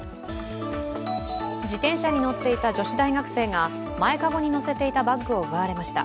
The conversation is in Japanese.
自転車に乗っていた女子大学生が前籠に乗せていたバッグを奪われました。